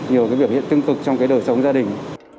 nhiều cái biểu hiện tương cực trong cái đời sống gia đình